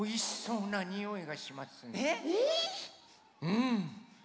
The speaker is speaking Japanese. うん。